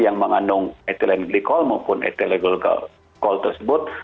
yang mengandung etilen glikol maupun etilen glikol tersebut